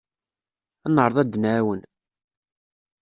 Ad neɛreḍ ad d-nɛawen.